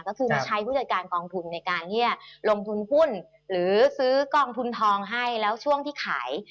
ก็คือมาใช้ผู้จัดการกองทุนในการที่จะลงทุนหุ้นหรือซื้อกองทุนทองให้แล้วช่วงที่ขาย